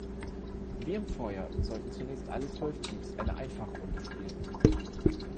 Wie im Vorjahr sollten zunächst alle zwölf Teams eine Einfachrunde spielen.